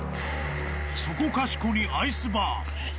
そこかしこにアイスバーン。